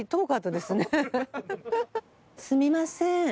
すみません。